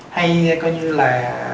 hay coi như là